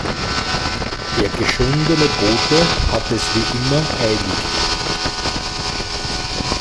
Der geschundene Bote hat es wie immer eilig.